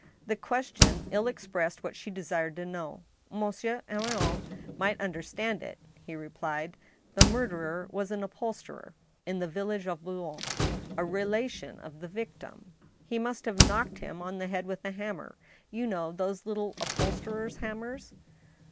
The question ilj expressed what she desired to know. Monsieur Henrion might misunderstand it. He replied :" The murderer was an upholsterer in the village of Boulogne, a relation of the victim. He must have knocked him on the head with a hammer— you know those little upholsterer's hammers